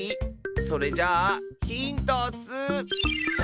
それじゃあヒントッス！